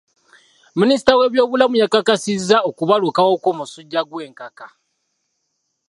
Minisita w'ebyobulamu yakakasizza okubalukawo kw'omusujja gw'enkaka.